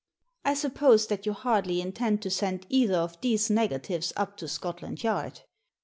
I suppose that you hardly intend to send either of these negatives up to Scotland Yard.